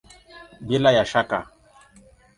Bila ya shaka!